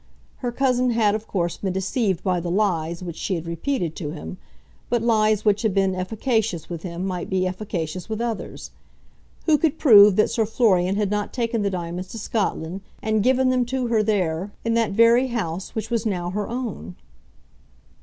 Her cousin had, of course, been deceived by the lies which she had repeated to him; but lies which had been efficacious with him might be efficacious with others. Who could prove that Sir Florian had not taken the diamonds to Scotland, and given them to her there, in that very house which was now her own?